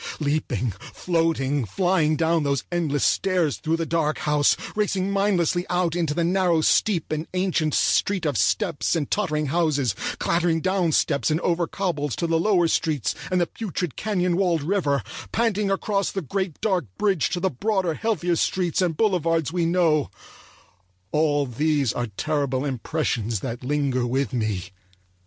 Leaping, floating, flying down those endless stairs through the dark house; racing mindlessly out into the narrow, steep, and ancient street of steps and tottering houses; clattering down steps and over cobbles to the lower streets and the putrid canyon walled river; panting across the great dark bridge to the broader, healthier streets and boulevards we know; all these are terrible impressions that linger with me.